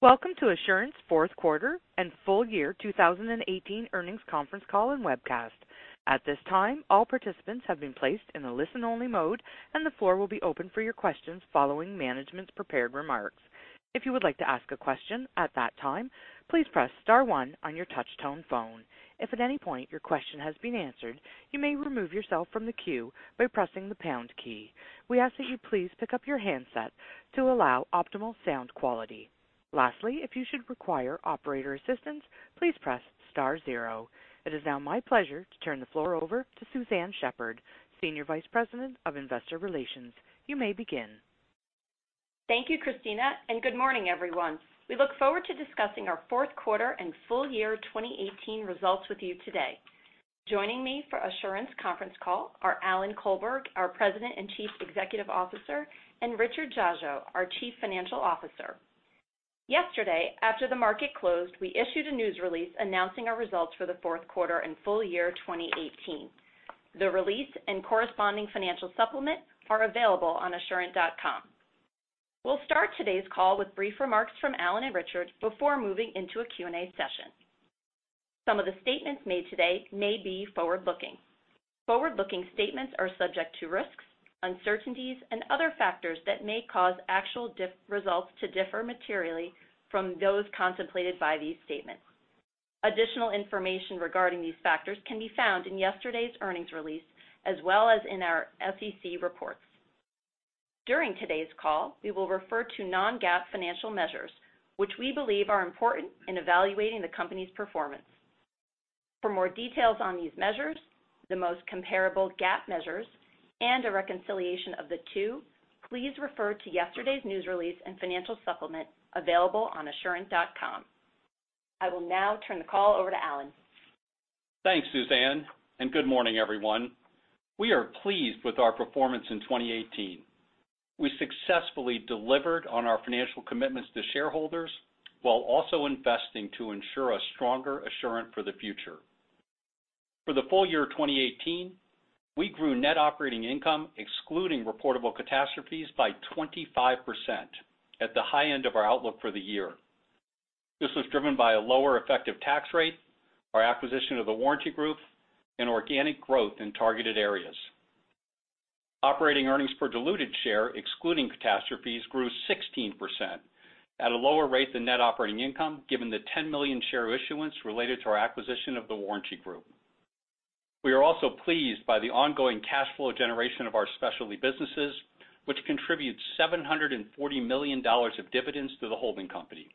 Welcome to Assurant's fourth quarter and full year 2018 earnings conference call and webcast. At this time, all participants have been placed in a listen-only mode, and the floor will be open for your questions following management's prepared remarks. If you would like to ask a question at that time, please press star one on your touch-tone phone. If at any point your question has been answered, you may remove yourself from the queue by pressing the pound key. We ask that you please pick up your handset to allow optimal sound quality. Lastly, if you should require operator assistance, please press star zero. It is now my pleasure to turn the floor over to Suzanne Shepherd, Senior Vice President of Investor Relations. You may begin. Thank you, Christina, and good morning, everyone. We look forward to discussing our fourth quarter and full year 2018 results with you today. Joining me for Assurant's conference call are Alan Colberg, our President and Chief Executive Officer, and Richard Dziadzio, our Chief Financial Officer. Yesterday, after the market closed, we issued a news release announcing our results for the fourth quarter and full year 2018. The release and corresponding financial supplement are available on assurant.com. We'll start today's call with brief remarks from Alan and Richard before moving into a Q&A session. Some of the statements made today may be forward-looking. Forward-looking statements are subject to risks, uncertainties, and other factors that may cause actual results to differ materially from those contemplated by these statements. Additional information regarding these factors can be found in yesterday's earnings release, as well as in our SEC reports. During today's call, we will refer to non-GAAP financial measures which we believe are important in evaluating the company's performance. For more details on these measures, the most comparable GAAP measures, and a reconciliation of the two, please refer to yesterday's news release and financial supplement available on assurant.com. I will now turn the call over to Alan. Thanks, Suzanne, and good morning, everyone. We are pleased with our performance in 2018. We successfully delivered on our financial commitments to shareholders while also investing to ensure a stronger Assurant for the future. For the full year 2018, we grew net operating income excluding reportable catastrophes by 25%, at the high end of our outlook for the year. This was driven by a lower effective tax rate, our acquisition of The Warranty Group, and organic growth in targeted areas. Operating earnings per diluted share, excluding catastrophes, grew 16%, at a lower rate than net operating income, given the 10 million share issuance related to our acquisition of The Warranty Group. We are also pleased by the ongoing cash flow generation of our specialty businesses, which contribute $740 million of dividends to the holding company.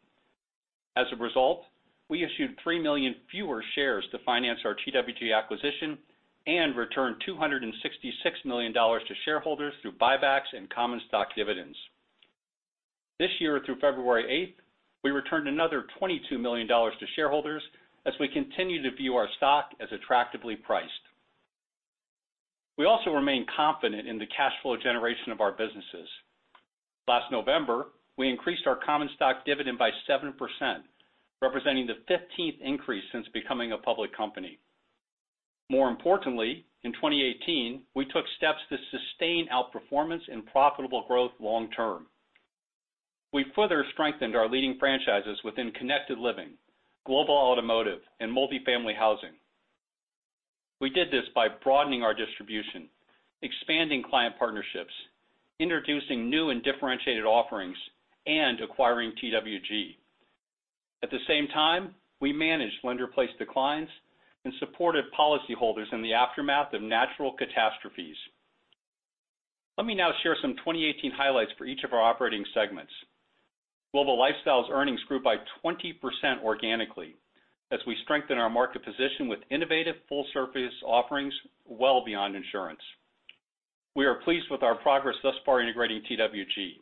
As a result, we issued 3 million fewer shares to finance our TWG acquisition and returned $266 million to shareholders through buybacks and common stock dividends. This year through February 8th, we returned another $22 million to shareholders as we continue to view our stock as attractively priced. We also remain confident in the cash flow generation of our businesses. Last November, we increased our common stock dividend by 7%, representing the 15th increase since becoming a public company. More importantly, in 2018, we took steps to sustain outperformance and profitable growth long term. We further strengthened our leading franchises within Connected Living, Global Automotive, and Multifamily Housing. We did this by broadening our distribution, expanding client partnerships, introducing new and differentiated offerings, and acquiring TWG. At the same time, we managed lender-placed declines and supported policyholders in the aftermath of natural catastrophes. Let me now share some 2018 highlights for each of our operating segments. Global Lifestyle's earnings grew by 20% organically as we strengthen our market position with innovative full-service offerings well beyond insurance. We are pleased with our progress thus far integrating TWG.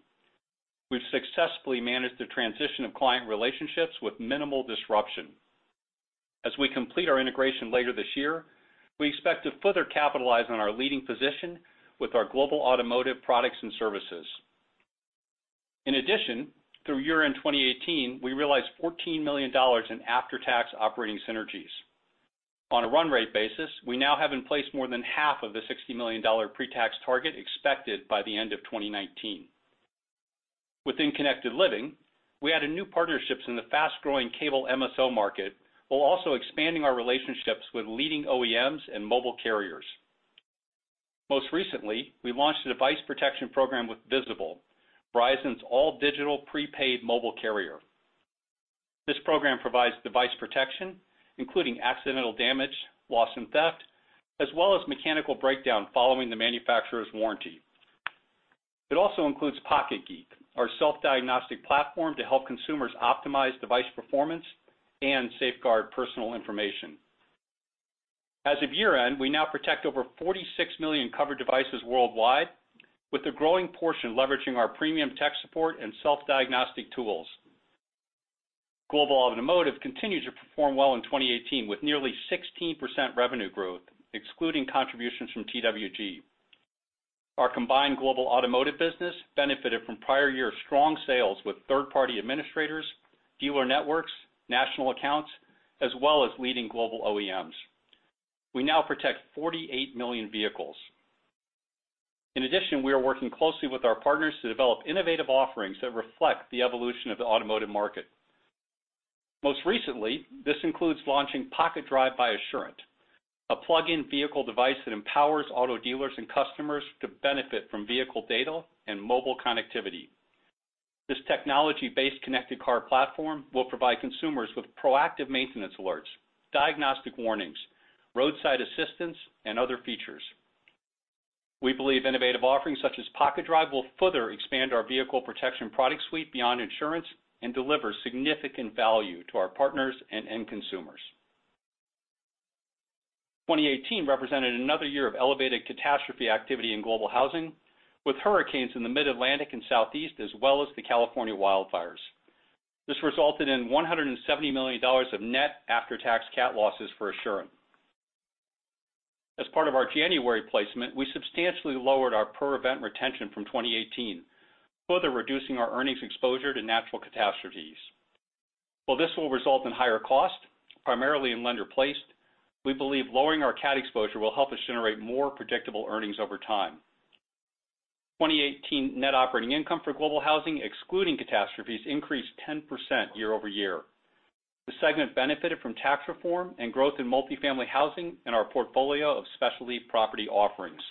We've successfully managed the transition of client relationships with minimal disruption. As we complete our integration later this year, we expect to further capitalize on our leading position with our Global Automotive products and services. In addition, through year-end 2018, we realized $14 million in after-tax operating synergies. On a run rate basis, we now have in place more than half of the $60 million pre-tax target expected by the end of 2019. Within Connected Living, we added new partnerships in the fast-growing cable MSO market while also expanding our relationships with leading OEMs and mobile carriers. Most recently, we launched a device protection program with Visible, Verizon's all-digital prepaid mobile carrier. This program provides device protection, including accidental damage, loss, and theft, as well as mechanical breakdown following the manufacturer's warranty. It also includes Pocket Geek, our self-diagnostic platform to help consumers optimize device performance and safeguard personal information. As of year-end, we now protect over 46 million covered devices worldwide, with a growing portion leveraging our premium tech support and self-diagnostic tools. Global Automotive continued to perform well in 2018 with nearly 16% revenue growth excluding contributions from TWG. Our combined Global Automotive business benefited from prior year strong sales with third-party administrators, dealer networks, national accounts, as well as leading global OEMs. We now protect 48 million vehicles. In addition, we are working closely with our partners to develop innovative offerings that reflect the evolution of the automotive market. Most recently, this includes launching Pocket Drive by Assurant, a plug-in vehicle device that empowers auto dealers and customers to benefit from vehicle data and mobile connectivity. This technology-based connected car platform will provide consumers with proactive maintenance alerts, diagnostic warnings, roadside assistance, and other features. We believe innovative offerings such as Pocket Drive will further expand our vehicle protection product suite beyond insurance and deliver significant value to our partners and end consumers. 2018 represented another year of elevated catastrophe activity in Global Housing, with hurricanes in the mid-Atlantic and Southeast, as well as the California wildfires. This resulted in $170 million of net after-tax cat losses for Assurant. As part of our January placement, we substantially lowered our per event retention from 2018, further reducing our earnings exposure to natural catastrophes. While this will result in higher costs, primarily in Lender-Placed, we believe lowering our cat exposure will help us generate more predictable earnings over time. 2018 net operating income for Global Housing, excluding catastrophes, increased 10% year-over-year. The segment benefited from tax reform and growth in Multifamily Housing and our portfolio of specialty property offerings.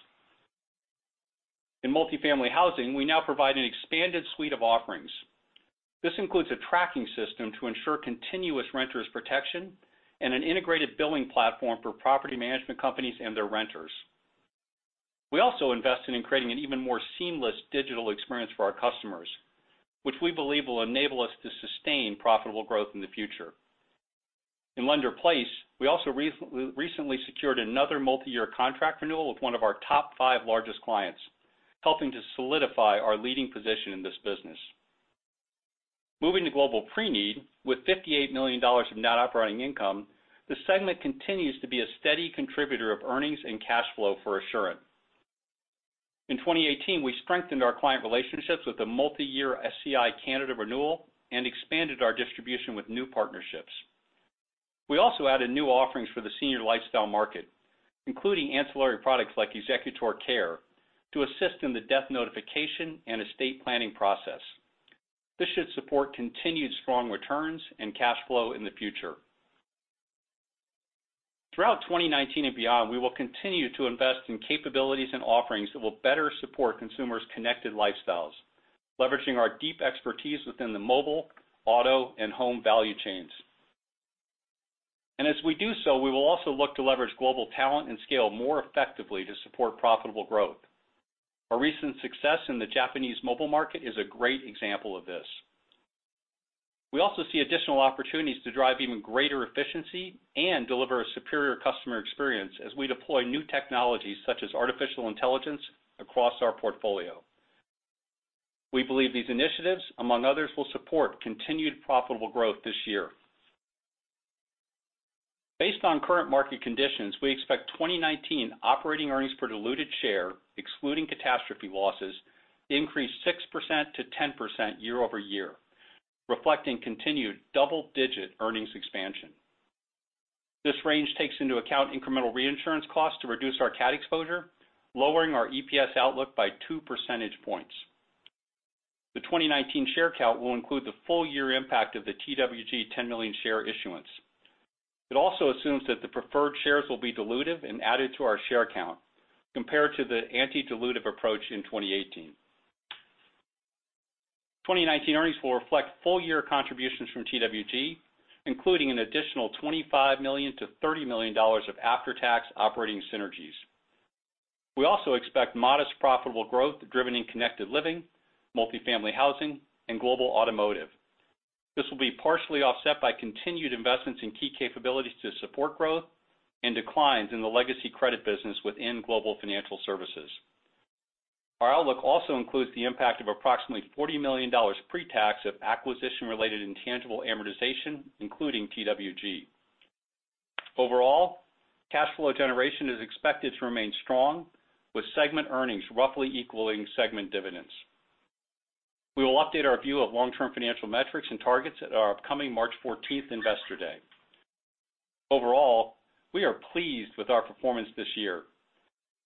In Multifamily Housing, we now provide an expanded suite of offerings. This includes a tracking system to ensure continuous renters protection and an integrated billing platform for property management companies and their renters. We also invested in creating an even more seamless digital experience for our customers, which we believe will enable us to sustain profitable growth in the future. In Lender-Placed, we also recently secured another multiyear contract renewal with one of our top five largest clients, helping to solidify our leading position in this business. Moving to Global Preneed, with $58 million of net operating income, the segment continues to be a steady contributor of earnings and cash flow for Assurant. In 2018, we strengthened our client relationships with a multiyear SCI Canada renewal and expanded our distribution with new partnerships. We also added new offerings for the senior lifestyle market, including ancillary products like Executor Care, to assist in the death notification and estate planning process. This should support continued strong returns and cash flow in the future. Throughout 2019 and beyond, we will continue to invest in capabilities and offerings that will better support consumers' connected lifestyles, leveraging our deep expertise within the mobile, auto, and home value chains. As we do so, we will also look to leverage global talent and scale more effectively to support profitable growth. Our recent success in the Japanese mobile market is a great example of this. We also see additional opportunities to drive even greater efficiency and deliver a superior customer experience as we deploy new technologies such as artificial intelligence across our portfolio. We believe these initiatives, among others, will support continued profitable growth this year. Based on current market conditions, we expect 2019 operating earnings per diluted share, excluding catastrophe losses, to increase 6%-10% year-over-year, reflecting continued double-digit earnings expansion. This range takes into account incremental reinsurance costs to reduce our cat exposure, lowering our EPS outlook by two percentage points. The 2019 share count will include the full year impact of the TWG 10 million share issuance. It also assumes that the preferred shares will be dilutive and added to our share count compared to the anti-dilutive approach in 2018. 2019 earnings will reflect full year contributions from TWG, including an additional $25 million-$30 million of after-tax operating synergies. We also expect modest profitable growth driven in Connected Living, Multifamily Housing and Global Automotive. This will be partially offset by continued investments in key capabilities to support growth and declines in the legacy credit business within global financial services. Our outlook also includes the impact of approximately $40 million pre-tax of acquisition related intangible amortization, including TWG. Overall, cash flow generation is expected to remain strong, with segment earnings roughly equaling segment dividends. We will update our view of long term financial metrics and targets at our upcoming March 14th Investor Day. Overall, we are pleased with our performance this year.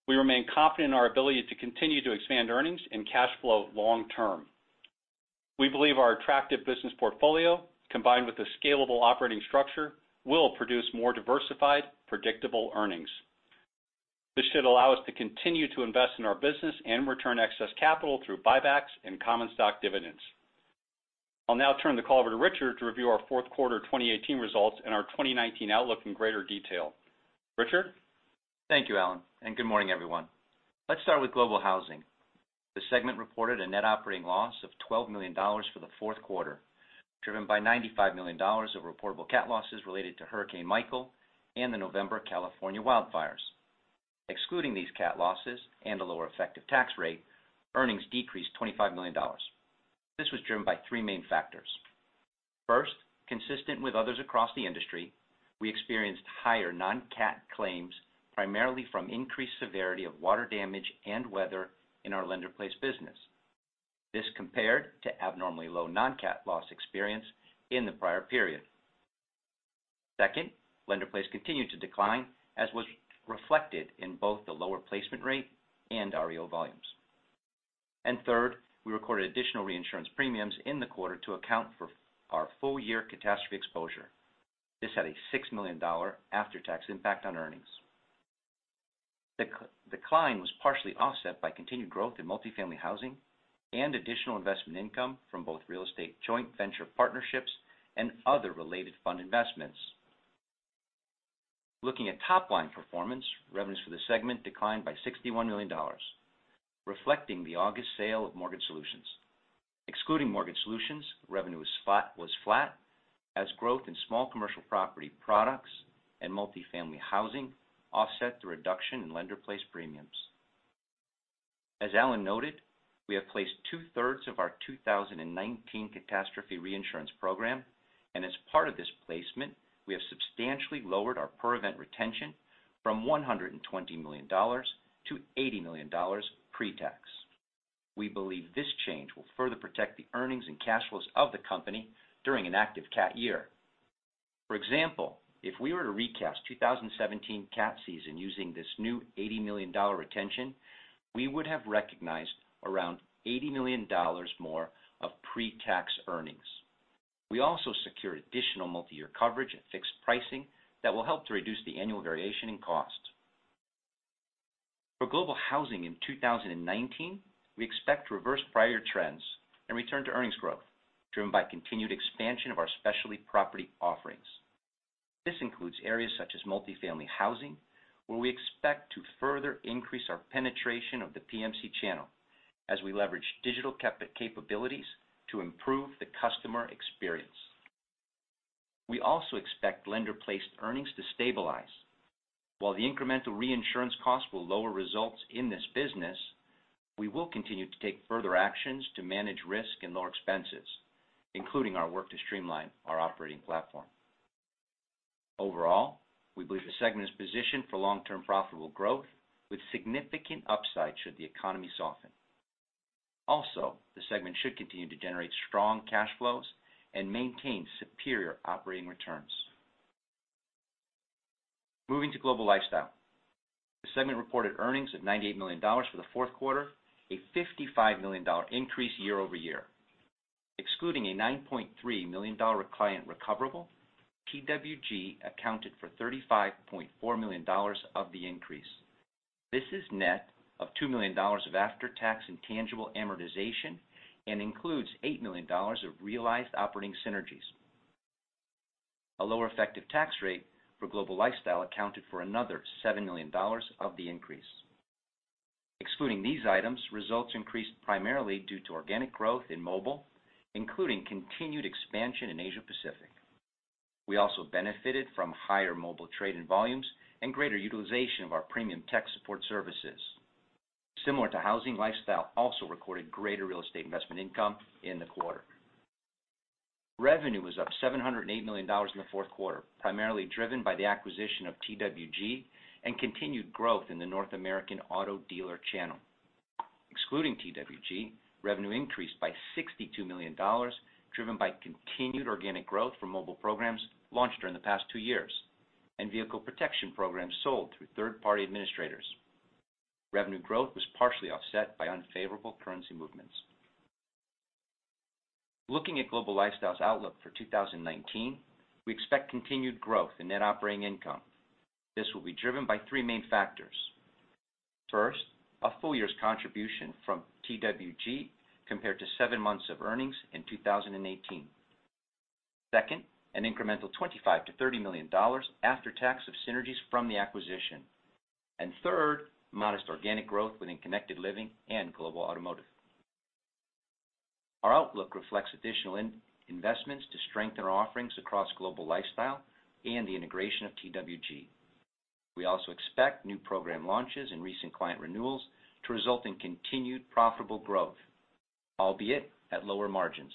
We remain confident in our ability to continue to expand earnings and cash flow long term. We believe our attractive business portfolio, combined with a scalable operating structure, will produce more diversified, predictable earnings. This should allow us to continue to invest in our business and return excess capital through buybacks and common stock dividends. I'll now turn the call over to Richard to review our fourth quarter 2018 results and our 2019 outlook in greater detail. Richard? Thank you, Alan, and good morning, everyone. Let's start with Global Housing. The segment reported a net operating loss of $12 million for the fourth quarter, driven by $95 million of reportable cat losses related to Hurricane Michael and the November California wildfires. Excluding these cat losses and a lower effective tax rate, earnings decreased $25 million. This was driven by three main factors. First, consistent with others across the industry, we experienced higher non-cat claims, primarily from increased severity of water damage and weather in our Lender-Placed business. This compared to abnormally low non-cat loss experience in the prior period. Second, Lender-Placed continued to decline, as was reflected in both the lower placement rate and REO volumes. Third, we recorded additional reinsurance premiums in the quarter to account for our full-year catastrophe exposure. This had a $6 million after-tax impact on earnings. The decline was partially offset by continued growth in Multifamily Housing and additional investment income from both real estate joint venture partnerships and other related fund investments. Looking at top-line performance, revenues for the segment declined by $61 million, reflecting the August sale of Mortgage Solutions. Excluding Mortgage Solutions, revenue was flat, as growth in small commercial property products and Multifamily Housing offset the reduction in Lender-Placed premiums. As Alan noted, we have placed two-thirds of our 2019 catastrophe reinsurance program. As part of this placement, we have substantially lowered our per-event retention from $120 million to $80 million pre-tax. We believe this change will further protect the earnings and cash flows of the company during an active cat year. For example, if we were to recast 2017 cat season using this new $80 million retention, we would have recognized around $80 million more of pre-tax earnings. We also secure additional multi-year coverage at fixed pricing that will help to reduce the annual variation in cost. For Global Housing in 2019, we expect to reverse prior trends and return to earnings growth, driven by continued expansion of our specialty property offerings. This includes areas such as Multifamily Housing, where we expect to further increase our penetration of the PMC channel as we leverage digital capabilities to improve the customer experience. We also expect Lender-Placed earnings to stabilize. While the incremental reinsurance costs will lower results in this business, we will continue to take further actions to manage risk and lower expenses, including our work to streamline our operating platform. Overall, we believe the segment is positioned for long-term profitable growth with significant upside should the economy soften. The segment should continue to generate strong cash flows and maintain superior operating returns. Moving to Global Lifestyle. The segment reported earnings of $98 million for the fourth quarter, a $55 million increase year-over-year. Excluding a $9.3 million client recoverable, TWG accounted for $35.4 million of the increase. This is net of $2 million of after-tax intangible amortization and includes $8 million of realized operating synergies. A lower effective tax rate for Global Lifestyle accounted for another $7 million of the increase. Excluding these items, results increased primarily due to organic growth in mobile, including continued expansion in Asia Pacific. We also benefited from higher mobile trade and volumes and greater utilization of our premium tech support services. Similar to Housing, Lifestyle also recorded greater real estate investment income in the quarter. Revenue was up $708 million in the fourth quarter, primarily driven by the acquisition of TWG and continued growth in the North American auto dealer channel. Excluding TWG, revenue increased by $62 million, driven by continued organic growth from mobile programs launched during the past two years and vehicle protection programs sold through third-party administrators. Revenue growth was partially offset by unfavorable currency movements. Looking at Global Lifestyle's outlook for 2019, we expect continued growth in net operating income. This will be driven by three main factors. First, a full year's contribution from TWG, compared to seven months of earnings in 2018. Second, an incremental $25 million-$30 million after tax of synergies from the acquisition. Third, modest organic growth within Connected Living and Global Automotive. Our outlook reflects additional investments to strengthen our offerings across Global Lifestyle and the integration of TWG. We also expect new program launches and recent client renewals to result in continued profitable growth, albeit at lower margins.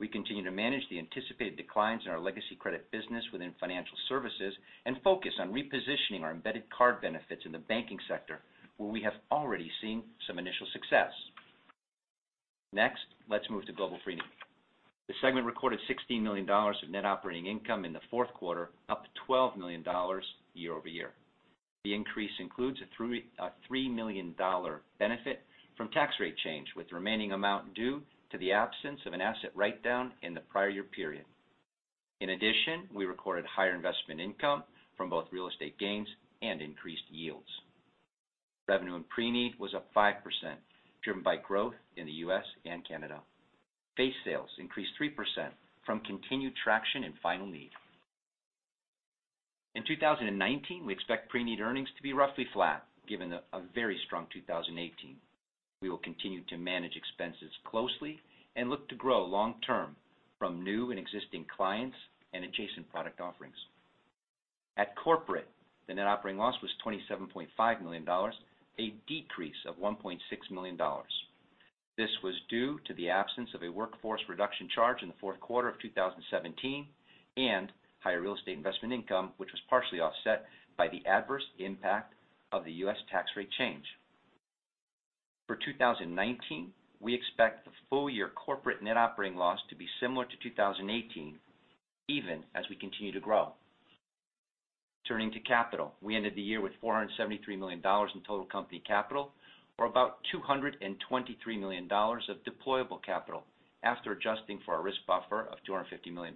We continue to manage the anticipated declines in our legacy credit business within financial services and focus on repositioning our embedded card benefits in the banking sector, where we have already seen some initial success. Let's move to Global Preneed. The segment recorded $16 million of net operating income in the fourth quarter, up $12 million year-over-year. The increase includes a $3 million benefit from tax rate change, with the remaining amount due to the absence of an asset write-down in the prior year period. We recorded higher investment income from both real estate gains and increased yields. Revenue in preneed was up 5%, driven by growth in the U.S. and Canada. Base sales increased 3% from continued traction in final need. We expect preneed earnings to be roughly flat, given a very strong 2018. We will continue to manage expenses closely and look to grow long-term from new and existing clients and adjacent product offerings. At Corporate, the net operating loss was $27.5 million, a decrease of $1.6 million. This was due to the absence of a workforce reduction charge in the fourth quarter of 2017 and higher real estate investment income, which was partially offset by the adverse impact of the U.S. tax rate change. We expect the full-year corporate net operating loss to be similar to 2018, even as we continue to grow. We ended the year with $473 million in total company capital, or about $223 million of deployable capital after adjusting for a risk buffer of $250 million.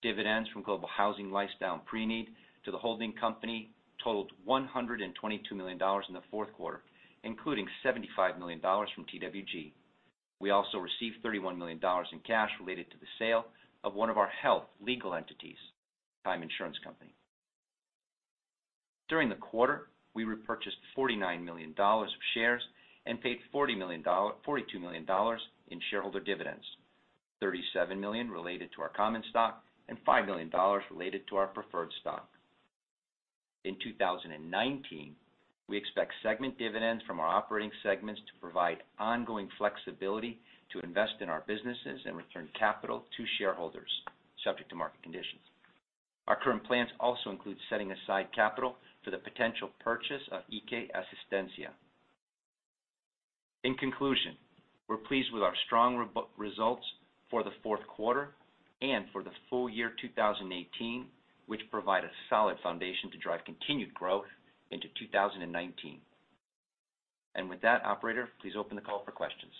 Dividends from Global Housing, Lifestyle, and Preneed to the holding company totaled $122 million in the fourth quarter, including $75 million from TWG. We also received $31 million in cash related to the sale of one of our health legal entities, Time Insurance Company. During the quarter, we repurchased $49 million of shares and paid $42 million in shareholder dividends, $37 million related to our common stock and $5 million related to our preferred stock. In 2019, we expect segment dividends from our operating segments to provide ongoing flexibility to invest in our businesses and return capital to shareholders subject to market conditions. Our current plans also include setting aside capital for the potential purchase of Iké Asistencia. In conclusion, we're pleased with our strong results for the fourth quarter and for the full year 2018, which provide a solid foundation to drive continued growth into 2019. With that, operator, please open the call for questions.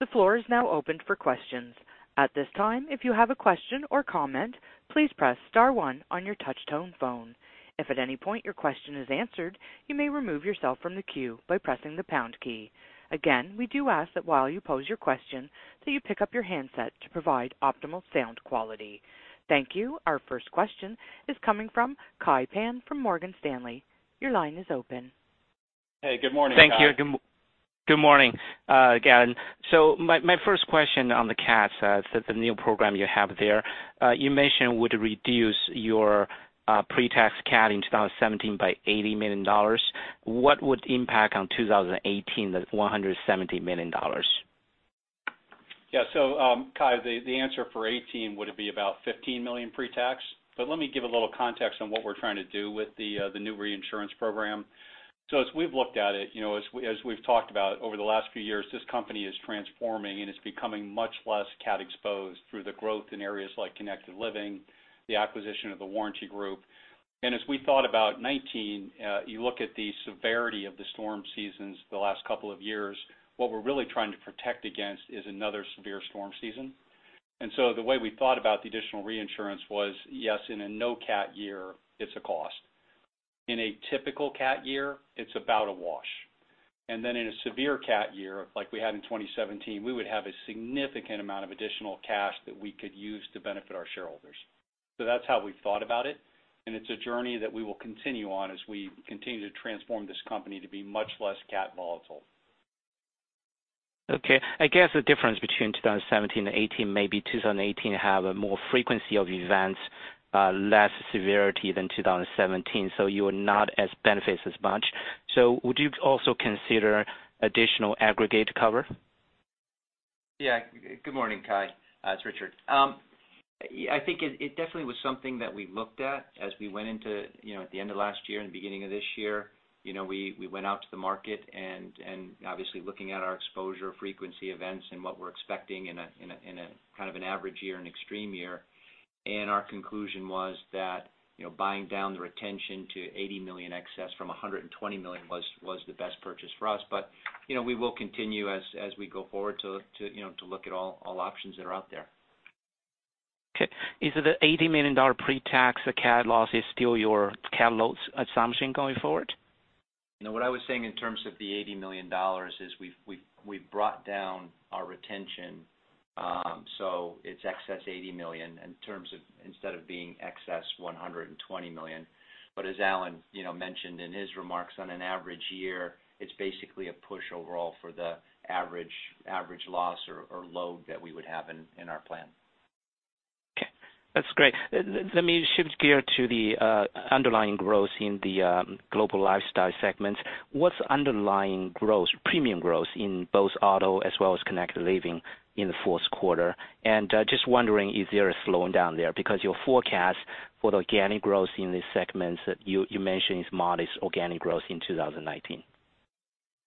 The floor is now open for questions. At this time, if you have a question or comment, please press star one on your touch-tone phone. If at any point your question is answered, you may remove yourself from the queue by pressing the pound key. Again, we do ask that while you pose your question that you pick up your handset to provide optimal sound quality. Thank you. Our first question is coming from Kai Pan from Morgan Stanley. Your line is open. Hey, good morning, Kai. Thank you. Good morning again. My first question on the CAT, the new program you have there, you mentioned would reduce your pre-tax CAT in 2017 by $80 million. What would impact on 2018, the $170 million? Kai, the answer for 2018 would be about $15 million pre-tax. Let me give a little context on what we're trying to do with the new reinsurance program. As we've looked at it, as we've talked about over the last few years, this company is transforming, and it's becoming much less CAT exposed through the growth in areas like Connected Living, the acquisition of The Warranty Group. As we thought about 2019, you look at the severity of the storm seasons the last couple of years, what we're really trying to protect against is another severe storm season. The way we thought about the additional reinsurance was, yes, in a no CAT year, it's a cost. In a typical CAT year, it's about a wash. In a severe CAT year like we had in 2017, we would have a significant amount of additional cash that we could use to benefit our shareholders. That's how we've thought about it, and it's a journey that we will continue on as we continue to transform this company to be much less CAT volatile. I guess the difference between 2017 and 2018 may be 2018 have a more frequency of events, less severity than 2017, so you are not as benefits as much. Would you also consider additional aggregate cover? Good morning, Kai. It's Richard. I think it definitely was something that we looked at as we went into at the end of last year and the beginning of this year. We went out to the market and obviously looking at our exposure frequency events and what we're expecting in a kind of an average year and extreme year. Our conclusion was that buying down the retention to $80 million excess from $120 million was the best purchase for us. We will continue as we go forward to look at all options that are out there. Okay. Is it the $80 million pre-tax CAT loss is still your CAT loss assumption going forward? What I was saying in terms of the $80 million is we've brought down our retention, so it's excess $80 million instead of being excess $120 million. As Alan mentioned in his remarks, on an average year, it's basically a push overall for the average loss or load that we would have in our plan. Okay, that's great. Let me shift gear to the underlying growth in the Global Lifestyle segments. What's underlying growth, premium growth in both auto as well as Connected Living in the fourth quarter? Just wondering if there is slowing down there because your forecast for the organic growth in these segments that you mentioned is modest organic growth in 2019.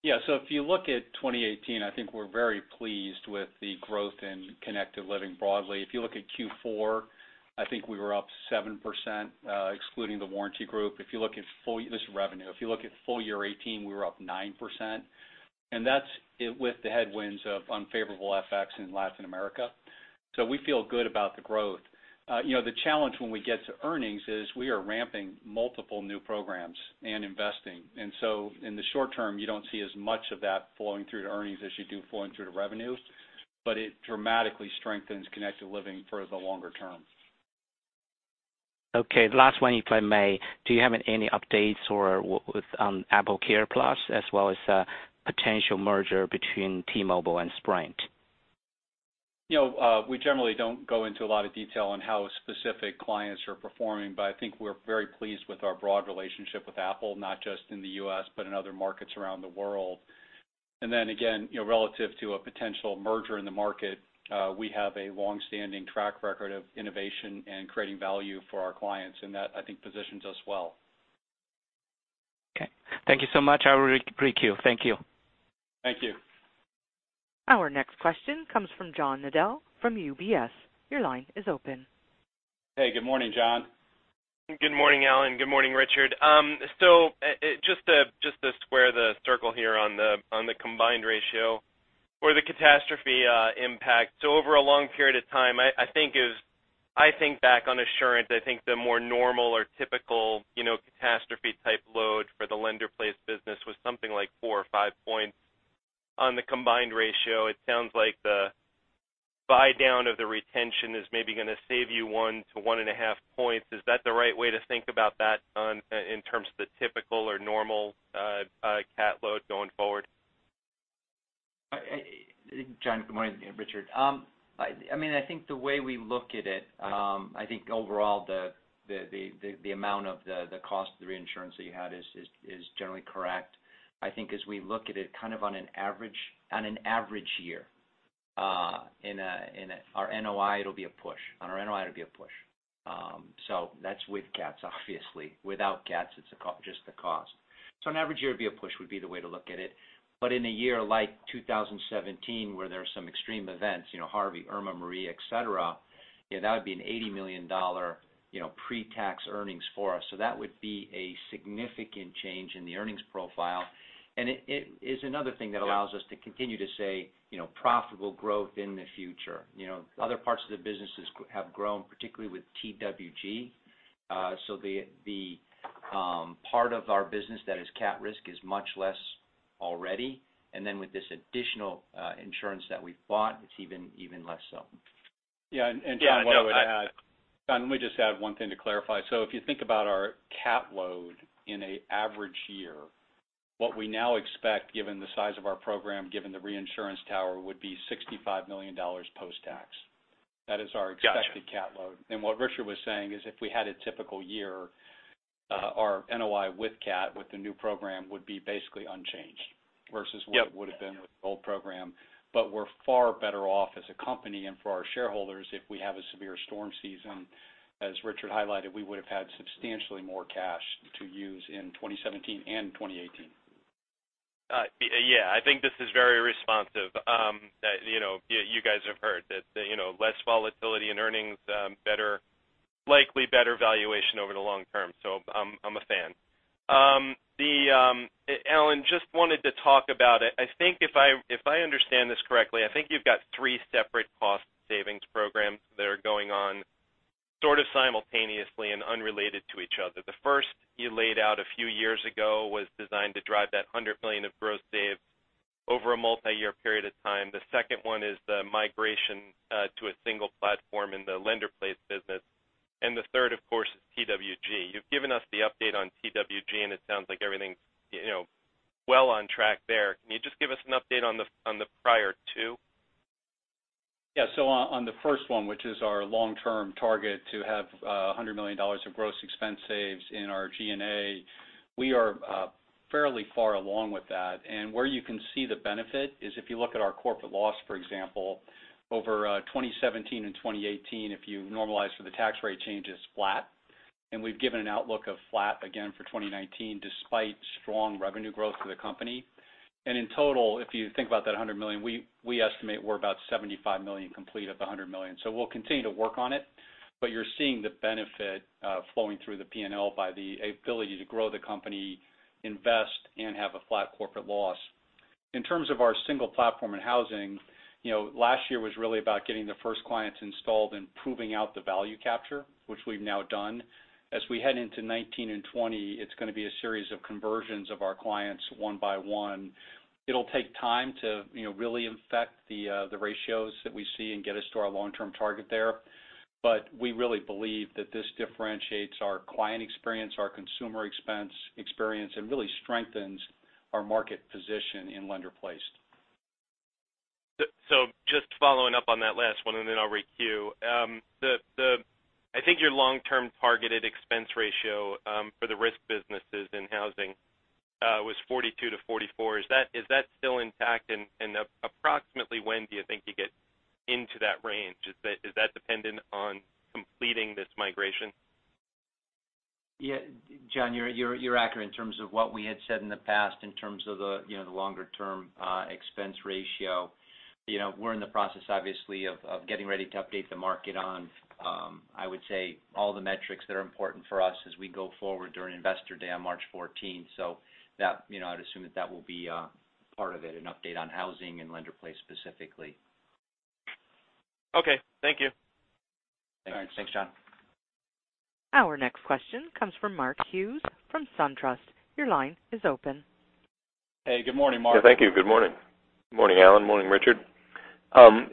Yeah. If you look at 2018, I think we're very pleased with the growth in Connected Living broadly. If you look at Q4, I think we were up 7% excluding The Warranty Group. This is revenue. If you look at full year 2018, we were up 9%, and that's with the headwinds of unfavorable FX in Latin America. We feel good about the growth. The challenge when we get to earnings is we are ramping multiple new programs and investing. In the short term, you don't see as much of that flowing through to earnings as you do flowing through to revenues, but it dramatically strengthens Connected Living for the longer term. Okay, last one, if I may. Do you have any updates or with AppleCare+ as well as potential merger between T-Mobile and Sprint? We generally don't go into a lot of detail on how specific clients are performing. I think we're very pleased with our broad relationship with Apple, not just in the U.S., but in other markets around the world. Again, relative to a potential merger in the market, we have a longstanding track record of innovation and creating value for our clients. That, I think, positions us well. Okay. Thank you so much. I will requeue. Thank you. Thank you. Our next question comes from John Nadel from UBS. Your line is open. Hey, good morning, John. Good morning, Alan. Good morning, Richard. Just to square the circle here on the combined ratio or the catastrophe impact. Over a long period of time, I think back on Assurant, I think the more normal or typical catastrophe-type load for the lender-placed business was something like four or five points on the combined ratio. It sounds like the buy-down of the retention is maybe going to save you one to one and a half points. Is that the right way to think about that in terms of the typical or normal cat load going forward? John, good morning. Richard. The way we look at it, overall the amount of the cost of the reinsurance that you had is generally correct. As we look at it on an average year, in our NOI, it'll be a push. Without cats, it's just the cost. An average year, it'd be a push would be the way to look at it. But in a year like 2017, where there are some extreme events, Harvey, Irma, Maria, et cetera, that would be an $80 million pre-tax earnings for us. That would be a significant change in the earnings profile. It is another thing that allows us to continue to say profitable growth in the future. Other parts of the businesses have grown, particularly with TWG. The part of our business that is cat risk is much less already. Then with this additional insurance that we've bought, it's even less so. Yeah, John, what I would add, let me just add one thing to clarify. If you think about our cat load in an average year, what we now expect, given the size of our program, given the reinsurance tower, would be $65 million post-tax. That is our expected cat load. What Richard was saying is if we had a typical year, our NOI with cat with the new program would be basically unchanged versus what it would have been with the old program. We're far better off as a company and for our shareholders if we have a severe storm season. As Richard highlighted, we would have had substantially more cash to use in 2017 and 2018. Yeah, I think this is very responsive. You guys have heard that less volatility in earnings, likely better valuation over the long term. I'm a fan. Alan, just wanted to talk about it. If I understand this correctly, you've got three separate cost savings programs that are going on sort of simultaneously and unrelated to each other. The first you laid out a few years ago was designed to drive that $100 million of gross save over a multi-year period of time. The second one is the migration to a single platform in the Lender-Placed business. The third, of course, is TWG. You've given us the update on TWG, it sounds like everything's well on track there. Can you just give us an update on the prior two? On the first one, which is our long-term target to have $100 million of gross expense saves in our G&A, we are fairly far along with that. Where you can see the benefit is if you look at our corporate loss, for example, over 2017 and 2018, if you normalize for the tax rate change, it's flat. We've given an outlook of flat again for 2019, despite strong revenue growth for the company. In total, if you think about that $100 million, we estimate we're about $75 million complete of the $100 million. We'll continue to work on it. You're seeing the benefit flowing through the P&L by the ability to grow the company, invest, and have a flat corporate loss. In terms of our single platform in housing, last year was really about getting the first clients installed and proving out the value capture, which we've now done. As we head into 2019 and 2020, it's going to be a series of conversions of our clients one by one. It'll take time to really infect the ratios that we see and get us to our long-term target there. We really believe that this differentiates our client experience, our consumer expense experience, and really strengthens our market position in lender-placed. Just following up on that last one, and then I'll requeue. I think your long-term targeted expense ratio for the risk businesses in housing was 42%-44%. Is that still intact? Approximately when do you think you get into that range? Is that dependent on completing this migration? Yeah. John, you're accurate in terms of what we had said in the past in terms of the longer-term expense ratio. We're in the process, obviously, of getting ready to update the market on, I would say, all the metrics that are important for us as we go forward during Investor Day on March 14th. I'd assume that that will be part of it, an update on housing and lender-placed specifically. Okay. Thank you. Thanks, John. Our next question comes from Mark Hughes from SunTrust. Your line is open. Hey, good morning, Mark. Thank you. Good morning. Morning, Alan. Morning, Richard. I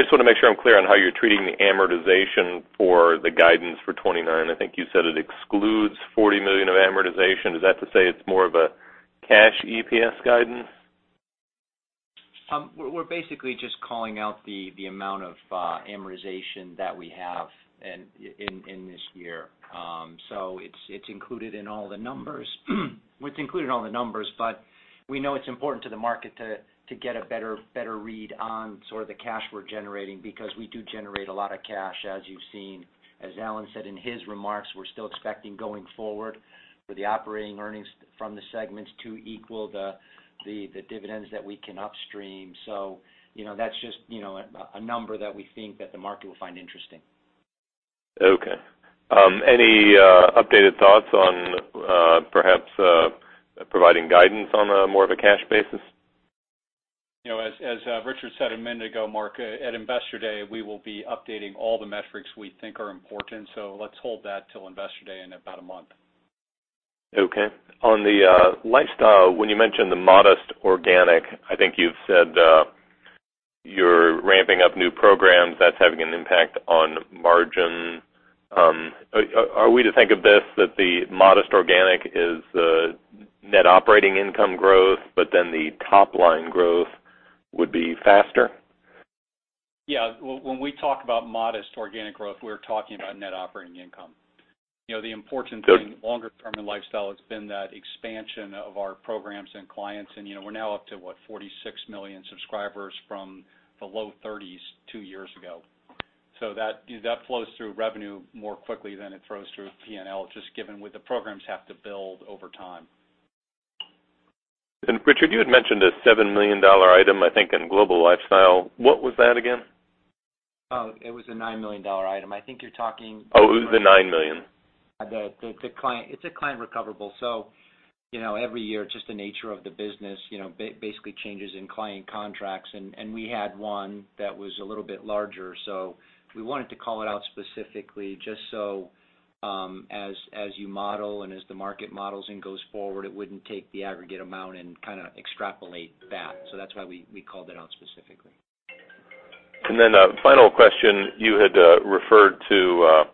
just want to make sure I'm clear on how you're treating the amortization for the guidance for 2029. I think you said it excludes $40 million of amortization. Is that to say it's more of a cash EPS guidance? We're basically just calling out the amount of amortization that we have in this year. It's included in all the numbers, but we know it's important to the market to get a better read on sort of the cash we're generating because we do generate a lot of cash, as you've seen. As Alan said in his remarks, we're still expecting going forward with the operating earnings from the segments to equal the dividends that we can upstream. That's just a number that we think that the market will find interesting. Okay. Any updated thoughts on perhaps providing guidance on a more of a cash basis? As Richard said a minute ago, Mark, at Investor Day, we will be updating all the metrics we think are important. Let's hold that till Investor Day in about a month. Okay. On the Lifestyle, when you mentioned the modest organic, I think you've said you're ramping up new programs, that's having an impact on margin. Are we to think of this that the modest organic is the net operating income growth, but then the top line growth would be faster? Yeah. When we talk about modest organic growth, we're talking about net operating income. The important thing longer term in Lifestyle has been that expansion of our programs and clients, and we're now up to what? 46 million subscribers from the low 30s two years ago. That flows through revenue more quickly than it flows through P&L, just given what the programs have to build over time. Richard, you had mentioned a $7 million item, I think, in Global Lifestyle. What was that again? Oh, it was a $9 million item. Oh, it was the $9 million. It's a client recoverable. Every year, just the nature of the business, basically changes in client contracts, and we had one that was a little bit larger, we wanted to call it out specifically just so as you model and as the market models and goes forward, it wouldn't take the aggregate amount and kind of extrapolate that. That's why we called it out specifically. A final question. You had referred to,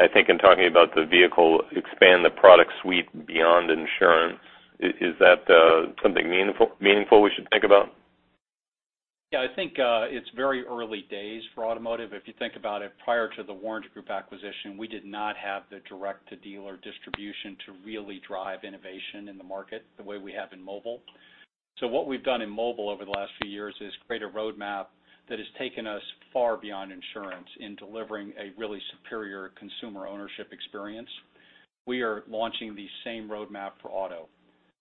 I think in talking about the vehicle, expand the product suite beyond insurance. Is that something meaningful we should think about? Yeah, I think it's very early days for automotive. If you think about it, prior to The Warranty Group acquisition, we did not have the direct-to-dealer distribution to really drive innovation in the market the way we have in mobile. What we've done in mobile over the last few years is create a roadmap that has taken us far beyond insurance in delivering a really superior consumer ownership experience. We are launching the same roadmap for auto.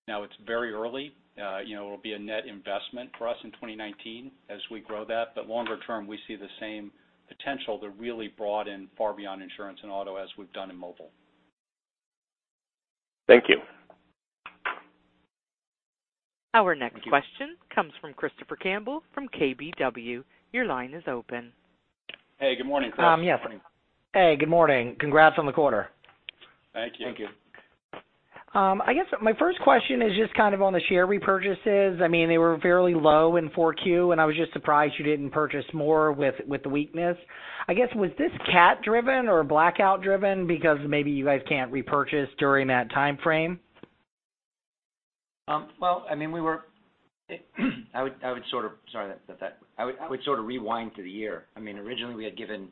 It's very early. It'll be a net investment for us in 2019 as we grow that. Longer term, we see the same potential to really broaden far beyond insurance and auto as we've done in mobile. Thank you. Our next question comes from Christopher Campbell from KBW. Your line is open. Hey, good morning, Chris. Yes. Hey, good morning. Congrats on the quarter. Thank you. Thank you. I guess my first question is just kind of on the share repurchases. They were fairly low in Q4, I was just surprised you didn't purchase more with the weakness. I guess, was this CAT driven or blackout driven because maybe you guys can't repurchase during that timeframe? Well, I would sort of rewind through the year. Originally we had given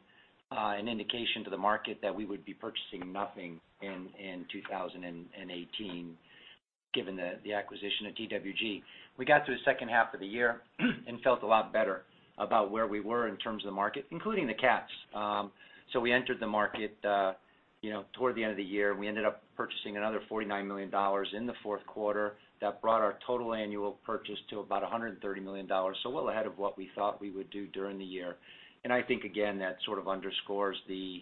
an indication to the market that we would be purchasing nothing in 2018 given the acquisition of TWG. We got to the second half of the year and felt a lot better about where we were in terms of the market, including the CATs. We entered the market toward the end of the year. We ended up purchasing another $49 million in the fourth quarter. That brought our total annual purchase to about $130 million. Well ahead of what we thought we would do during the year. I think, again, that sort of underscores the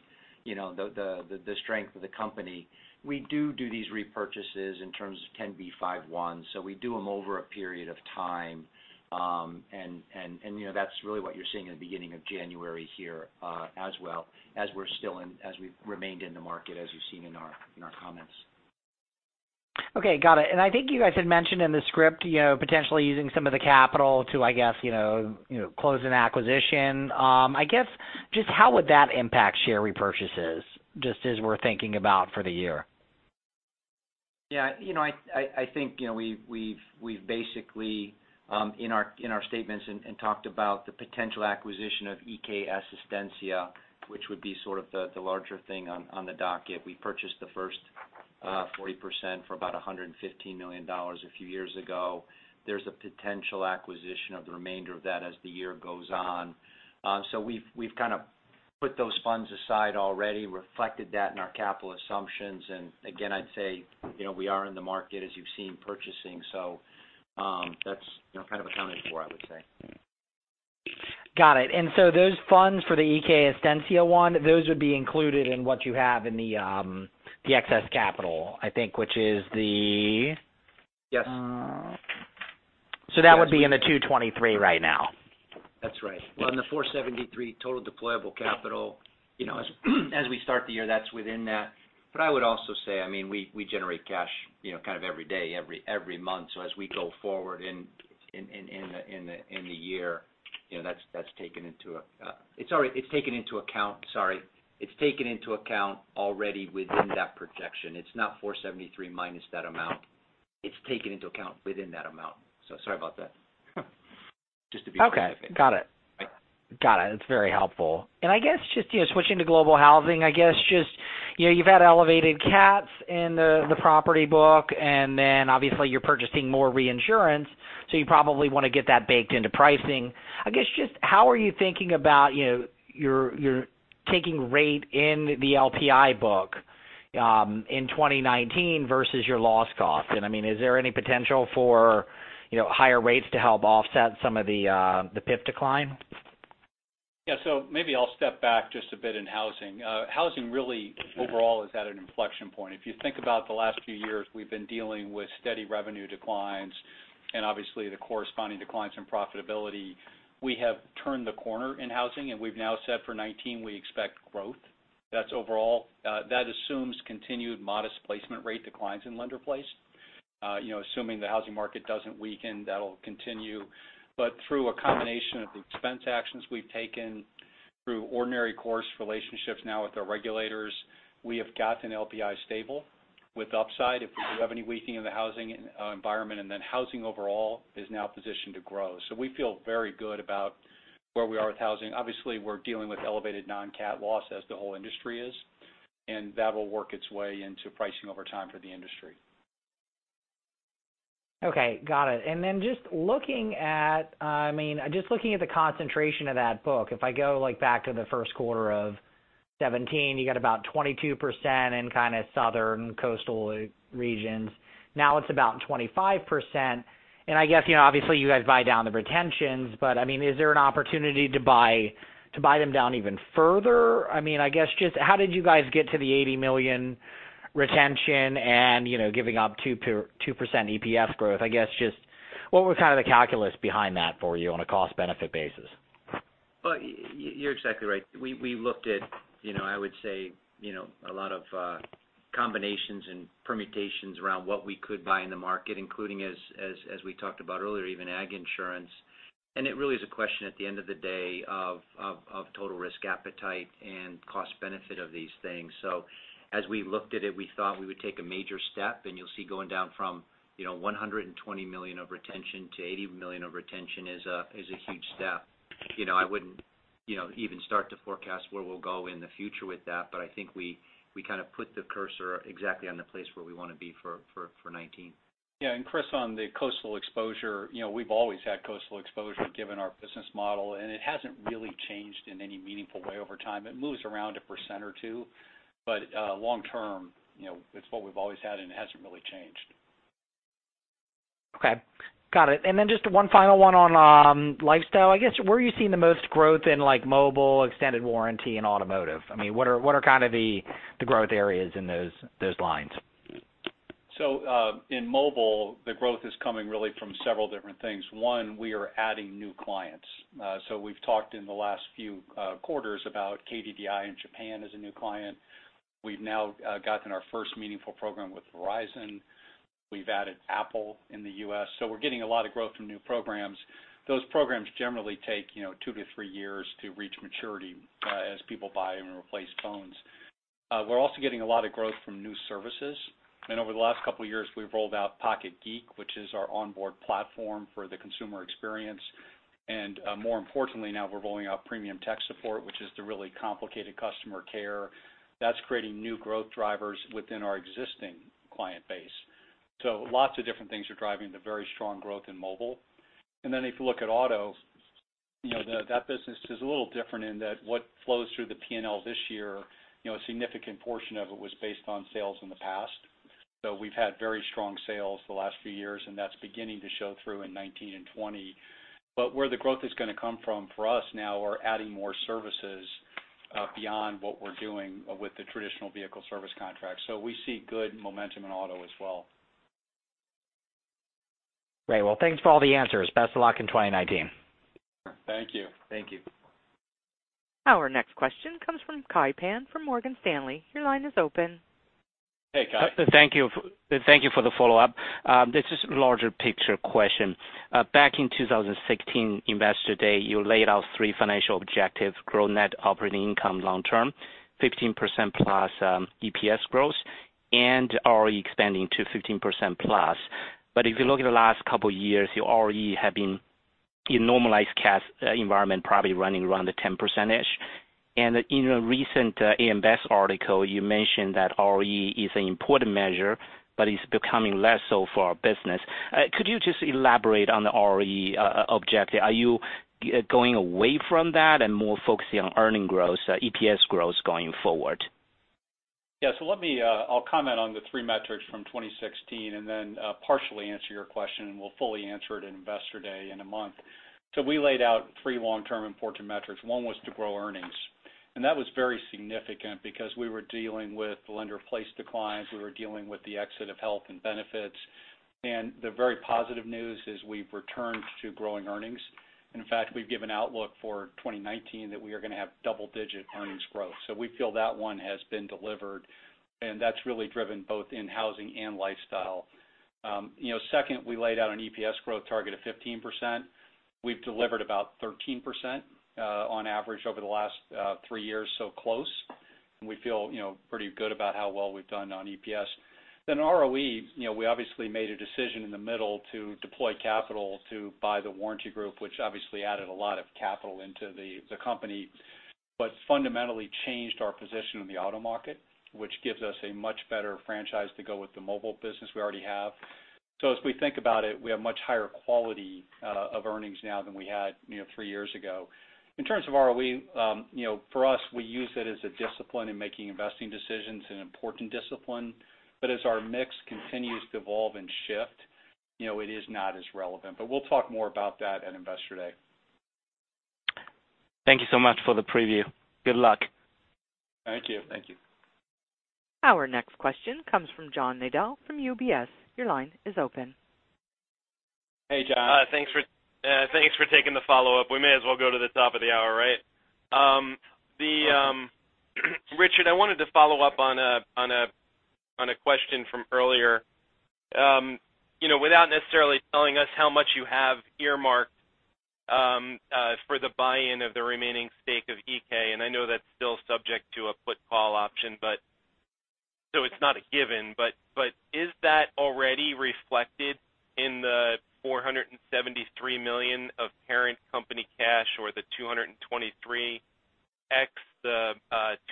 strength of the company. We do these repurchases in terms of 10b5-1, we do them over a period of time. That's really what you're seeing in the beginning of January here as well, as we've remained in the market, as you've seen in our comments. Okay. Got it. I think you guys had mentioned in the script, potentially using some of the capital to, I guess, close an acquisition. I guess, just how would that impact share repurchases, just as we're thinking about for the year? Yeah. I think we've basically, in our statements, talked about the potential acquisition of Iké Asistencia, which would be sort of the larger thing on the docket. We purchased the first 40% for about $115 million a few years ago. There's a potential acquisition of the remainder of that as the year goes on. We've kind of put those funds aside already, reflected that in our capital assumptions, and again, I'd say we are in the market, as you've seen, purchasing. That's kind of accounted for, I would say. Got it. Those funds for the Iké Asistencia one, those would be included in what you have in the excess capital, I think. Yes. That would be in the 223 right now? That's right. Well, in the 473 total deployable capital, as we start the year, that's within that. I would also say, we generate cash kind of every day, every month. As we go forward in the year That's taken into account, sorry. It's taken into account already within that projection. It's not 473 minus that amount. It's taken into account within that amount. Sorry about that. Just to be clear. Okay. Got it. Got it. It's very helpful. I guess just switching to Global Housing, I guess just you've had elevated CATs in the property book, then obviously you're purchasing more reinsurance, so you probably want to get that baked into pricing. I guess just how are you thinking about your taking rate in the LPI book, in 2019 versus your loss cost? I mean, is there any potential for higher rates to help offset some of the PIP decline? Yeah. Maybe I'll step back just a bit in Housing. Housing really overall is at an inflection point. If you think about the last few years, we've been dealing with steady revenue declines and obviously the corresponding declines in profitability. We have turned the corner in Housing, we've now said for 2019, we expect growth. That's overall. That assumes continued modest placement rate declines in Lender-Placed. Assuming the housing market doesn't weaken, that'll continue. Through a combination of the expense actions we've taken through ordinary course relationships now with our regulators, we have gotten LPI stable with upside if we do have any weakening of the housing environment, then Housing overall is now positioned to grow. We feel very good about where we are with Housing. Obviously, we're dealing with elevated non-CAT loss as the whole industry is. That will work its way into pricing over time for the industry. Okay. Got it. Just looking at the concentration of that book, if I go back to the first quarter of 2017, you got about 22% in southern coastal regions. Now it's about 25%. I guess, obviously you guys buy down the retentions, but I mean, is there an opportunity to buy them down even further? I mean, I guess just how did you guys get to the $80 million retention and giving up 2% EPS growth? I guess just what was kind of the calculus behind that for you on a cost-benefit basis? Well, you're exactly right. We looked at I would say a lot of combinations and permutations around what we could buy in the market, including as we talked about earlier, even agg insurance. It really is a question at the end of the day of total risk appetite and cost benefit of these things. As we looked at it, we thought we would take a major step. You'll see going down from $120 million of retention to $80 million of retention is a huge step. I wouldn't even start to forecast where we'll go in the future with that. I think we kind of put the cursor exactly on the place where we want to be for 2019. Yeah. Chris, on the coastal exposure, we've always had coastal exposure given our business model. It hasn't really changed in any meaningful way over time. It moves around 1% or 2%, long term, it's what we've always had. It hasn't really changed. Okay. Got it. Just one final one on Global Lifestyle, I guess, where are you seeing the most growth in mobile extended warranty and Global Automotive? I mean, what are kind of the growth areas in those lines? In mobile, the growth is coming really from several different things. One, we are adding new clients. We've talked in the last few quarters about KDDI in Japan as a new client. We've now gotten our first meaningful program with Verizon. We've added Apple in the U.S., we're getting a lot of growth from new programs. Those programs generally take two to three years to reach maturity as people buy and replace phones. We're also getting a lot of growth from new services, over the last couple of years, we've rolled out Pocket Geek, which is our onboard platform for the consumer experience. More importantly, now we're rolling out premium tech support, which is the really complicated customer care that's creating new growth drivers within our existing client base. Lots of different things are driving the very strong growth in mobile. If you look at Global Automotive, that business is a little different in that what flows through the P&L this year, a significant portion of it was based on sales in the past. We've had very strong sales the last few years, and that's beginning to show through in 2019 and 2020. Where the growth is going to come from for us now, we're adding more services, beyond what we're doing with the traditional vehicle service contract. We see good momentum in Global Automotive as well. Great. Well, thanks for all the answers. Best of luck in 2019. Thank you. Thank you. Our next question comes from Kai Pan from Morgan Stanley. Your line is open. Hey, Kai. Thank you for the follow-up. This is a larger picture question. Back in 2016 Investor Day, you laid out three financial objectives, grow net operating income long term, 15%+ EPS growth, and ROE expanding to 15%+. If you look at the last couple of years, your ROE has been in normalized CAT environment, probably running around the 10%. In a recent AM Best article, you mentioned that ROE is an important measure, but it's becoming less so for our business. Could you just elaborate on the ROE objective? Are you going away from that and more focusing on earning growth, EPS growth going forward? Yeah. I'll comment on the three metrics from 2016 and then partially answer your question, and we'll fully answer it at Investor Day in a month. We laid out three long-term important metrics. One was to grow earnings, and that was very significant because we were dealing with Lender-Placed declines. We were dealing with the exit of health and benefits. The very positive news is we've returned to growing earnings. In fact, we've given outlook for 2019 that we are going to have double-digit earnings growth. We feel that one has been delivered, and that's really driven both in Housing and Lifestyle. Second, we laid out an EPS growth target of 15%. We've delivered about 13% on average over the last three years, so close, and we feel pretty good about how well we've done on EPS. ROE, we obviously made a decision in the middle to deploy capital to buy The Warranty Group, which obviously added a lot of capital into the company, but fundamentally changed our position in the auto market, which gives us a much better franchise to go with the mobile business we already have. As we think about it, we have much higher quality of earnings now than we had three years ago. In terms of ROE, for us, we use it as a discipline in making investing decisions, an important discipline. As our mix continues to evolve and shift, it is not as relevant. We'll talk more about that at Investor Day. Thank you so much for the preview. Good luck. Thank you. Thank you. Our next question comes from John Nadel from UBS. Your line is open. Hey, John. Thanks for taking the follow-up. We may as well go to the top of the hour, right? Okay. Richard, I wanted to follow up on a question from earlier. Without necessarily telling us how much you have earmarked for the buy-in of the remaining stake of Iké, and I know that's still subject to a put call option, so it's not a given. Is that already reflected in the $473 million of parent company cash or the $223 million ex the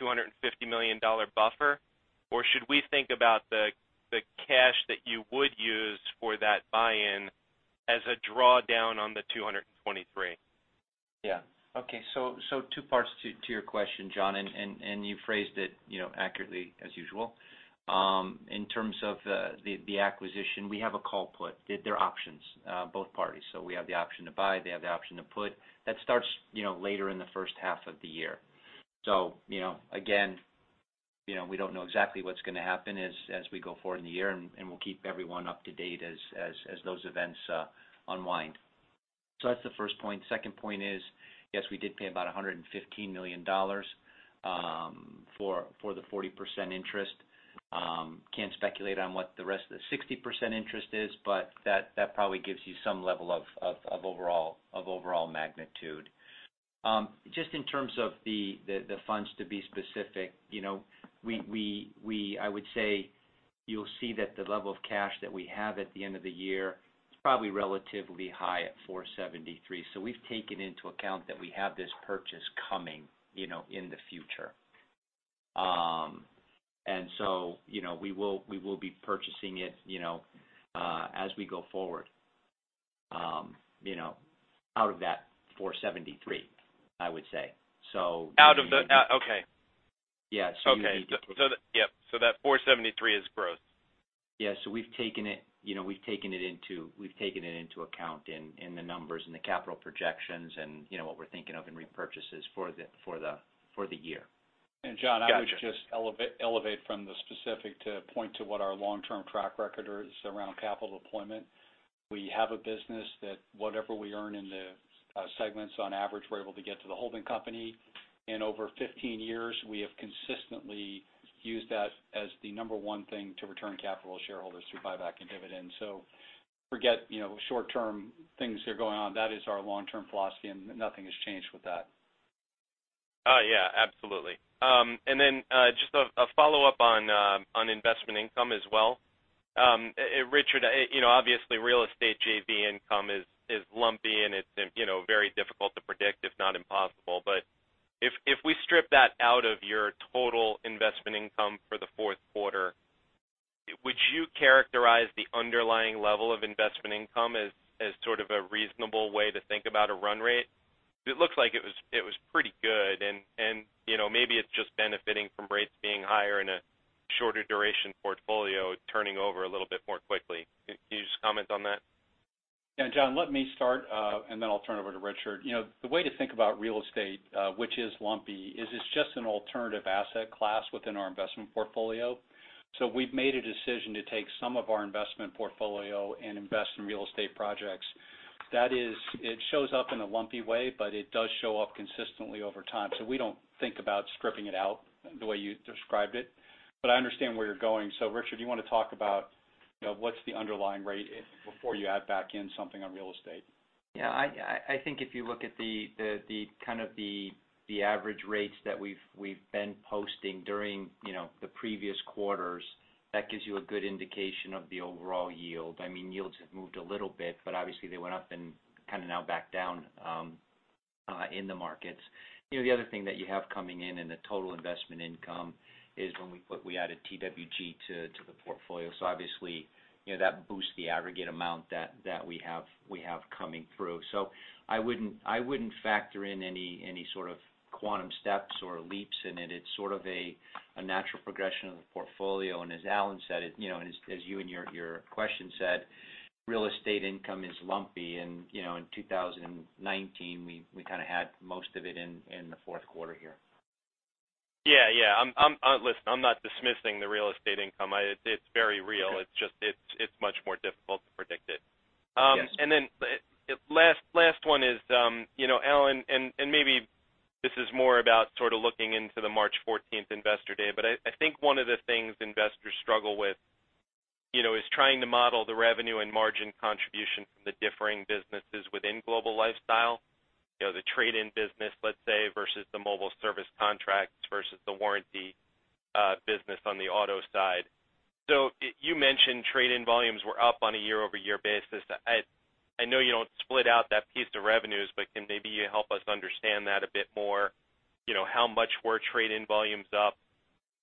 $250 million buffer? Should we think about the cash that you would use for that buy-in as a drawdown on the $223 million? Okay, two parts to your question, John, and you phrased it accurately as usual. In terms of the acquisition, we have a call put. They're options, both parties. We have the option to buy, they have the option to put. That starts later in the first half of the year. Again, we don't know exactly what's going to happen as we go forward in the year, and we'll keep everyone up to date as those events unwind. That's the first point. Second point is, yes, we did pay about $115 million for the 40% interest. Can't speculate on what the rest of the 60% interest is, that probably gives you some level of overall magnitude. Just in terms of the funds to be specific, I would say you'll see that the level of cash that we have at the end of the year is probably relatively high at $473 million. We've taken into account that we have this purchase coming in the future. We will be purchasing it as we go forward out of that $473 million, I would say. Okay. Yeah. Okay. That $473 million is gross. Yeah. We've taken it into account in the numbers and the capital projections and what we're thinking of in repurchases for the year. John, I would just elevate from the specific to point to what our long-term track record is around capital deployment. We have a business that whatever we earn in the segments on average, we're able to get to the holding company. In over 15 years, we have consistently used that as the number one thing to return capital to shareholders through buyback and dividends. Forget short-term things that are going on. That is our long-term philosophy, and nothing has changed with that. Absolutely. Then just a follow-up on investment income as well. Richard, obviously real estate JV income is lumpy and it's very difficult to predict, if not impossible. If we strip that out of your total investment income for the fourth quarter, would you characterize the underlying level of investment income as sort of a reasonable way to think about a run rate? It looks like it was pretty good, and maybe it's just benefiting from rates being higher in a shorter duration portfolio turning over a little bit more quickly. Can you just comment on that? John, let me start, then I'll turn it over to Richard. The way to think about real estate, which is lumpy, is it's just an alternative asset class within our investment portfolio. We've made a decision to take some of our investment portfolio and invest in real estate projects. That is, it shows up in a lumpy way, but it does show up consistently over time. We don't think about stripping it out the way you described it, but I understand where you're going. Richard, do you want to talk about what's the underlying rate before you add back in something on real estate? I think if you look at kind of the average rates that we've been posting during the previous quarters, that gives you a good indication of the overall yield. Yields have moved a little bit, but obviously they went up and kind of now back down in the markets. The other thing that you have coming in in the total investment income is when we added TWG to the portfolio. Obviously, that boosts the aggregate amount that we have coming through. I wouldn't factor in any sort of quantum steps or leaps in it. It's sort of a natural progression of the portfolio. As Alan said, and as you in your question said, real estate income is lumpy. In 2019, we kind of had most of it in the fourth quarter here. Yeah. Listen, I'm not dismissing the real estate income. It's very real. It's just much more difficult to predict it. Yes. Last one is, Alan, maybe this is more about sort of looking into the March 14th investor day. I think one of the things investors struggle with is trying to model the revenue and margin contribution from the differing businesses within Global Lifestyle. The trade-in business, let's say, versus the mobile service contracts versus the warranty business on the auto side. You mentioned trade-in volumes were up on a year-over-year basis. I know you don't split out that piece to revenues, but can maybe you help us understand that a bit more? How much were trade-in volumes up?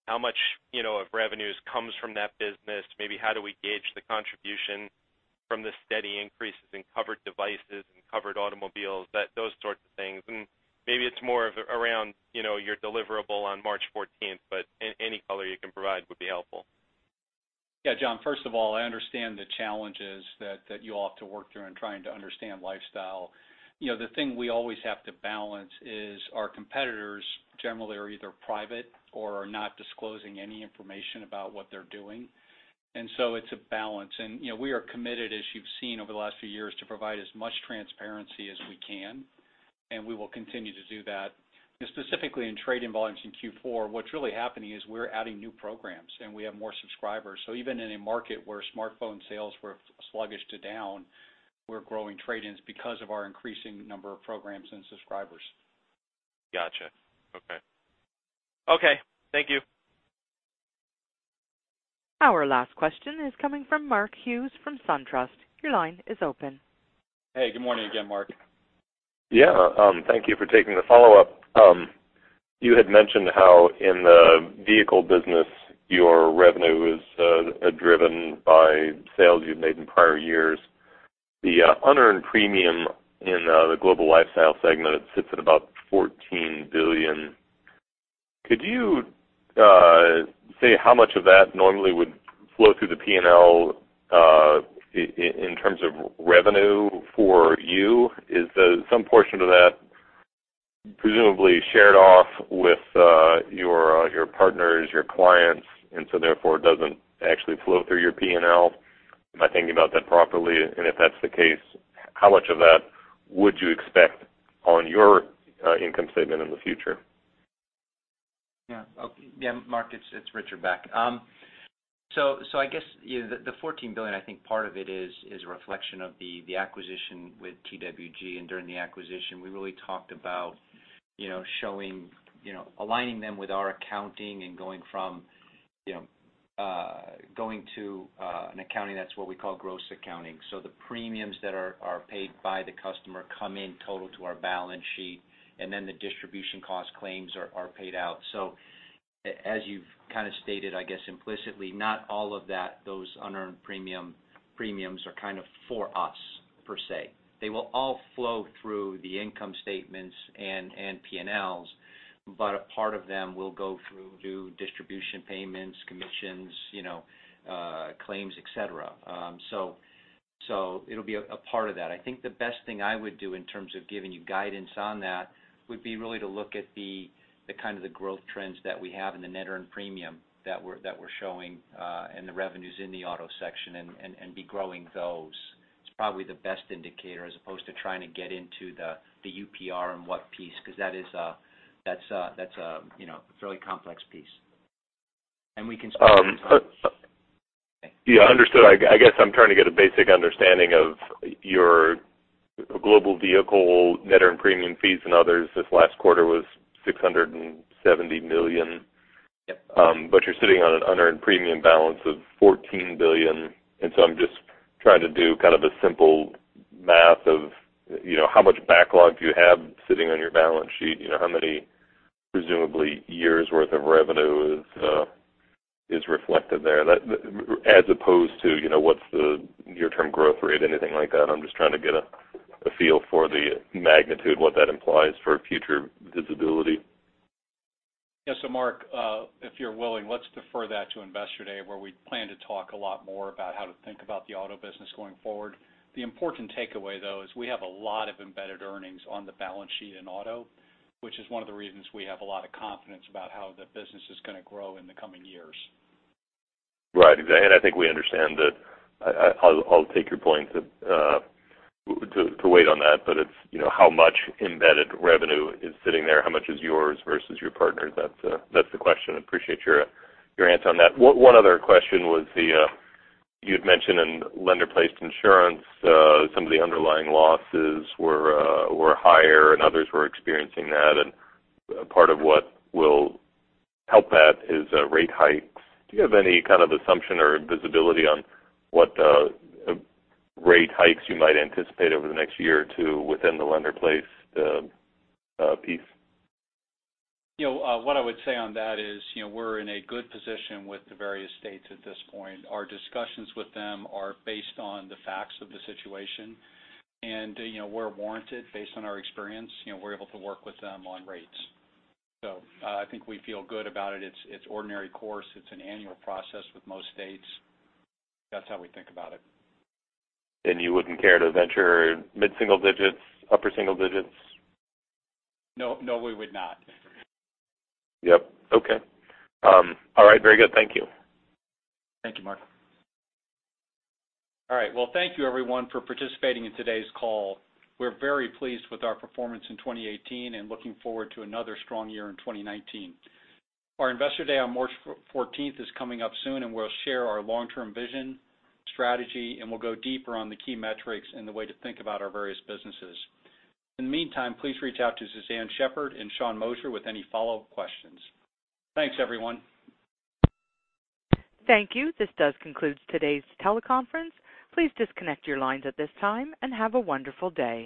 How much of revenues comes from that business? Maybe how do we gauge the contribution from the steady increases in covered devices and covered automobiles, those sorts of things? Maybe it's more of around your deliverable on March 14th, any color you can provide would be helpful. Yeah, John, first of all, I understand the challenges that you all have to work through in trying to understand lifestyle. The thing we always have to balance is our competitors generally are either private or are not disclosing any information about what they're doing. It's a balance. We are committed, as you've seen over the last few years, to provide as much transparency as we can, and we will continue to do that. Specifically in trade-in volumes in Q4, what's really happening is we're adding new programs, and we have more subscribers. Even in a market where smartphone sales were sluggish to down, we're growing trade-ins because of our increasing number of programs and subscribers. Got you. Okay. Okay, thank you. Our last question is coming from Mark Hughes from SunTrust. Your line is open. Hey, good morning again, Mark. Yeah. Thank you for taking the follow-up. You had mentioned how in the vehicle business, your revenue is driven by sales you've made in prior years. The unearned premium in the Global Lifestyle segment sits at about $14 billion. Could you say how much of that normally would flow through the P&L, in terms of revenue for you? Is some portion of that presumably shared off with your partners, your clients, so therefore, it doesn't actually flow through your P&L? Am I thinking about that properly? If that's the case, how much of that would you expect on your income statement in the future? Mark, it's Richard Dziadzio back. I guess the $14 billion, I think part of it is a reflection of the acquisition with TWG. During the acquisition, we really talked about aligning them with our accounting and going to an accounting, that's what we call gross accounting. The premiums that are paid by the customer come in total to our balance sheet, then the distribution cost claims are paid out. As you've stated, I guess implicitly, not all of those unearned premiums are for us, per se. They will all flow through the income statements and P&Ls, a part of them will go through to distribution payments, commissions, claims, et cetera. It'll be a part of that. I think the best thing I would do in terms of giving you guidance on that would be really to look at the growth trends that we have in the net earned premium that we're showing, and the revenues in the auto section and be growing those. It's probably the best indicator as opposed to trying to get into the UPR and what piece, because that's a fairly complex piece. We can spend- Understood. I guess I'm trying to get a basic understanding of your global vehicle net earned premium fees and others. This last quarter was $670 million. Yep. You're sitting on an unearned premium balance of $14 billion. I'm just trying to do a simple math of how much backlog do you have sitting on your balance sheet? How many, presumably, years' worth of revenue is reflected there? As opposed to what's the near-term growth rate, anything like that? I'm just trying to get a feel for the magnitude and what that implies for future visibility. Mark, if you're willing, let's defer that to Investor Day, where we plan to talk a lot more about how to think about the auto business going forward. The important takeaway, though, is we have a lot of embedded earnings on the balance sheet in auto, which is one of the reasons we have a lot of confidence about how the business is going to grow in the coming years. Right, exactly. I think we understand that. I'll take your point to wait on that. It's how much embedded revenue is sitting there? How much is yours versus your partners? That's the question. Appreciate your answer on that. One other question was you had mentioned in Lender-Placed Insurance, some of the underlying losses were higher, and others were experiencing that. Part of what will help that is rate hikes. Do you have any kind of assumption or visibility on what rate hikes you might anticipate over the next year or two within the Lender-Placed piece? What I would say on that is we're in a good position with the various states at this point. Our discussions with them are based on the facts of the situation. We're warranted based on our experience. We're able to work with them on rates. I think we feel good about it. It's ordinary course. It's an annual process with most states. That's how we think about it. You wouldn't care to venture mid-single digits, upper single digits? No, we would not. Yep. Okay. All right. Very good. Thank you. Thank you, Mark. All right. Well, thank you everyone for participating in today's call. We're very pleased with our performance in 2018 and looking forward to another strong year in 2019. Our Investor Day on March 14th is coming up soon, and we'll share our long-term vision, strategy, and we'll go deeper on the key metrics and the way to think about our various businesses. In the meantime, please reach out to Suzanne Shepherd and Sean Moshier with any follow-up questions. Thanks, everyone. Thank you. This does conclude today's teleconference. Please disconnect your lines at this time and have a wonderful day.